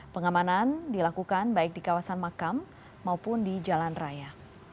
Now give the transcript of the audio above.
pengamanan dilakukan baik di kawasan makam maupun di jalan raya